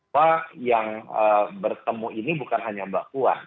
bahwa yang bertemu ini bukan hanya mbak puan